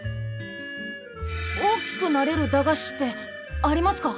大きくなれる駄菓子ってありますか？